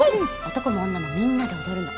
男も女もみんなで踊るの。